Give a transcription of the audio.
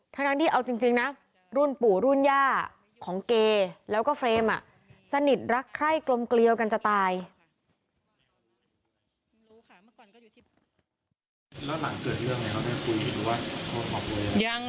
ทั้งที่เอาจริงนะรุ่นปู่รุ่นย่าของเกแล้วก็เฟรมสนิทรักใคร่กลมเกลียวกันจะตาย